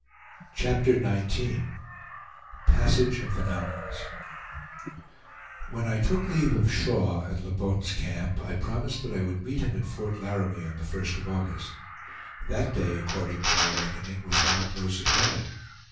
CHAPTER XIX PASSAGE OF THE MOUNTAINS When I took leave of Shaw at La Bonte's Camp, I promised that I would meet him at Fort Laramie on the 1st of August. That day, according to my reckoning, was now close at hand.